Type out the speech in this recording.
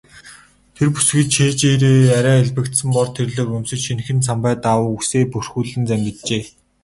Тэр бүсгүй цээжээрээ арай элбэгдсэн бор тэрлэг өмсөж, шинэхэн самбай даавууг үсээ бүрхүүлэн зангиджээ.